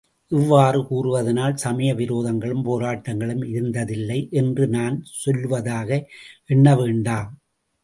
இவ்வாறு கூறுவதனால் சமய விரோதங்களும், போராட்டங்களும் இருந்ததில்லை என்று நான் சொல்லுவதாக எண்ண வேண்டாம்.